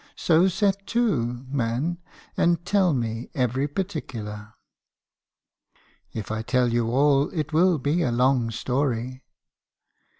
So set to, man, and tell me every particular." "If I tell you all, it will be a long story."